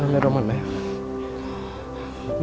ครับแม่รอบหมดไหม